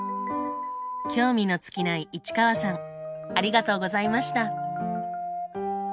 興味の尽きない市川さんありがとうございました。